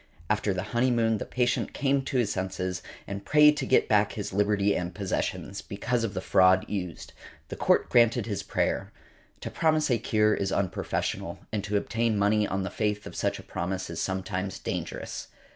After the honeymoon the patient came to his senses, and prayed to get back his liberty and possessions, because of the fraud used. The Court granted his prayer . To promise a cure is unprofessional, and to obtain money on the faith of such a promise is sometimes dangerous.